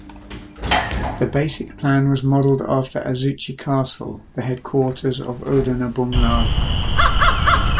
The basic plan was modeled after Azuchi Castle, the headquarters of Oda Nobunaga.